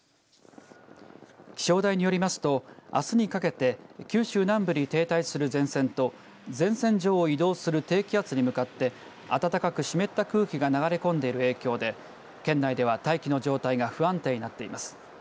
気象台によりますとあすにかけて九州南部に停滞する前線と前線上を移動する低気圧に向かって暖かく湿った空気が流れ込んでいる影響で県内では大気の状態が不安定になっています。